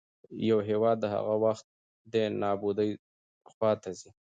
يـو هېـواد هـغه وخـت دې نـابـودۍ خـواتـه ځـي.